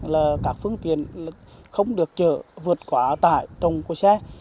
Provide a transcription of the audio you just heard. là các phương tiện không được chở vượt quả tải trong xe